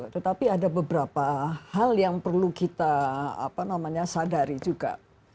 tetapi ada beberapa hal yang perlu kita sadari juga